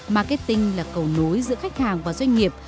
marketing là cầu nối giữa khách hàng và doanh nghiệp